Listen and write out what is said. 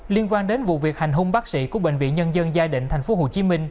liên quan đến vụ việc hành hung bác sĩ của bệnh viện nhân dân giai định tp hcm